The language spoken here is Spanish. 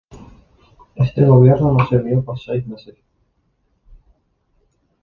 Este gobierno sirvió por seis meses.